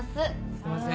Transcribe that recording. すいません。